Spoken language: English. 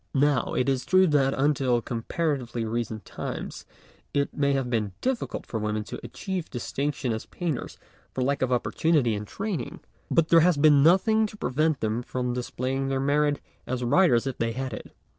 Now, it is true that until comparatively recent times it may have been difficult for women to achieve distinc tion as painters for lack of opportunity and training, but there has been nothing to pre vent them from displaying their merit as writers if they had it.